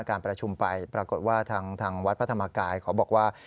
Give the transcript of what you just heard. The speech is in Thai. การประชุมไปปรากฏว่าทางวัดพระธรรมกายเขาบอกว่า